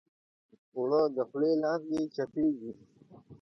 اوړه د خولې لاندې چپېږي